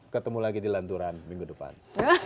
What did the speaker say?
ketemu lagi di lanturan minggu depan